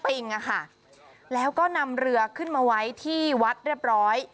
ที่บริเวณท้ายวัดริมแม่น้ำปิงอะค่ะแล้วก็นำเรือขึ้นมาไว้ที่วัดเรียบร้อย